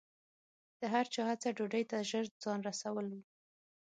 د هر چا هڅه ډوډۍ ته ژر ځان رسول و.